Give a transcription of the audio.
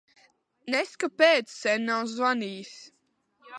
Nez kāpēc sen nav zvanījis.